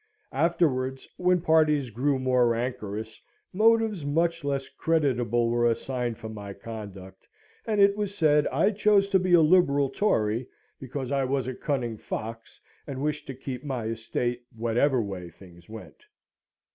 Afterwards, when parties grew more rancorous, motives much less creditable were assigned for my conduct, and it was said I chose to be a Liberal Tory because I was a cunning fox, and wished to keep my estate whatever way things went.